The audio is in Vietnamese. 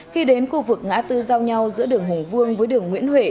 khi đến khu vực ngã tư giao nhau giữa đường hùng vương với đường nguyễn huệ